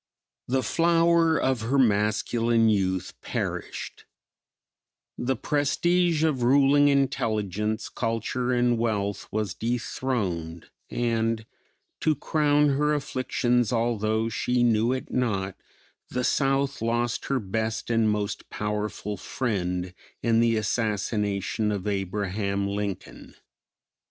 The flower of her masculine youth perished; the prestige of ruling intelligence, culture and wealth was dethroned and, to crown her afflictions although she knew it not, the South lost her best and most powerful friend in the assassination of Abraham Lincoln.